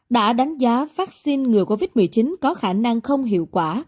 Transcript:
đã đánh giá vaccine ngừa covid một mươi chín có khả năng không hiệu quả